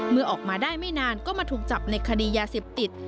เมื่อออกมาได้ไม่นานก็มาถูกจับในคดียาเสพติด